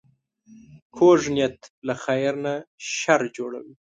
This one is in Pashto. کوږ نیت له خیر نه شر جوړوي